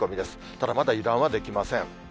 ただまだ油断はできません。